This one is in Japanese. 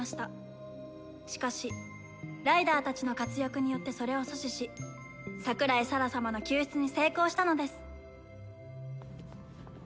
しかしライダーたちの活躍によってそれを阻止し桜井沙羅様の救出に成功したのです